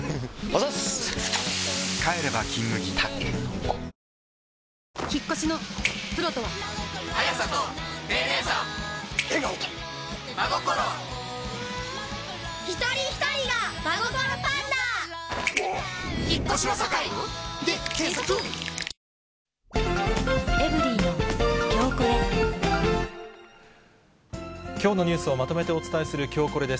たけのこきょうのニュースをまとめてお伝えするきょうコレです。